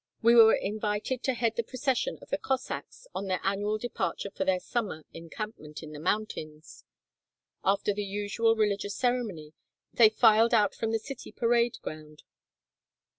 We were invited to head the procession of the Cossacks on their annual departure for their summer encampment in the mountains. After the usual religious ceremony, they filed out from the city parade ground.